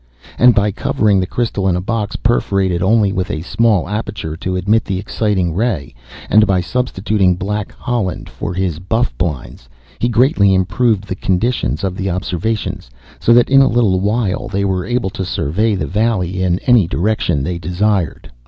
And, by covering the crystal in a box perforated only with a small aperture to admit the exciting ray, and by substituting black holland for his buff blinds, he greatly improved the conditions of the observations; so that in a little while they were able to survey the valley in any direction they desired.